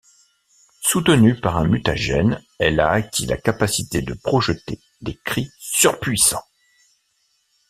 Soutenue par un mutagène, elle a acquis la capacité de projeter des cris surpuissants.